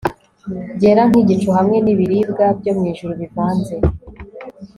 byera nkigicu hamwe nibirwa byo mwijuru bivanze